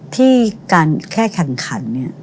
ที่การแค่แข่งขัน